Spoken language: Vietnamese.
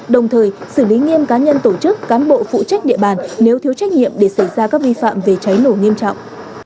đồng thời xử lý nghiêm cá nhân tổ chức cán bộ phụ trách địa bàn nếu thiếu trách nhiệm để xảy ra các vi phạm về cháy nổ nghiêm trọng